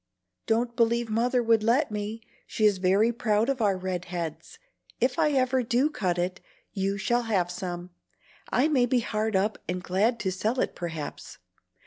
"Don't believe Mother would let me. She is very proud of our red heads. If I ever do cut it, you shall have some. I may be hard up and glad to sell it perhaps.